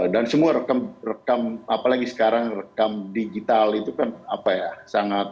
semua rekam apalagi sekarang rekam digital itu kan apa ya